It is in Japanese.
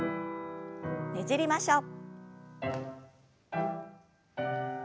ねじりましょう。